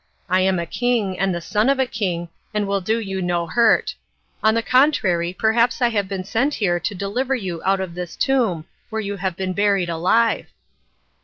I am a king, and the son of a king, and will do you no hurt. On the contrary, perhaps I have been sent here to deliver you out of this tomb, where you have been buried alive."